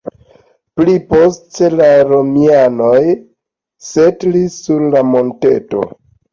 Pli poste la romianoj setlis sur la monteto.